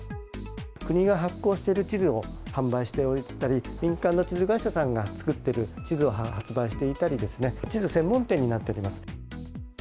国が発行している地図を販売しておいたり、民間の地図会社さんが作っている地図を発売していたりですね、地図専門店になっております。